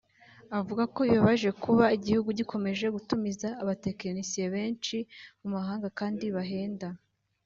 avuga ko bibabaje kuba igihugu gikomeje gutumiza abatekinisiye benshi mu mahanga kandi bahenda